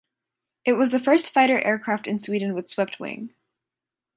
It was the first fighter aircraft in Sweden with Swept wing.